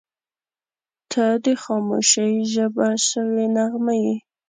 • ته د خاموشۍ ژبه شوې نغمه یې.